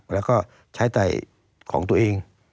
แล้วก็ใช้ไต่ของตัวเอง